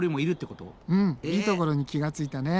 うんいいところに気が付いたね。